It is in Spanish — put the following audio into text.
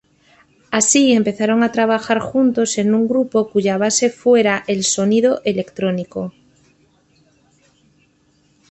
Así, empezaron a trabajar juntos en un grupo cuya base fuera el sonido electrónico.